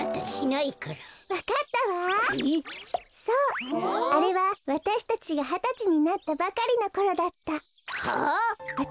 そうあれはわたしたちがはたちになったばかりのころだった。